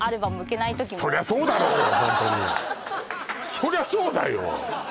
そりゃそうだよ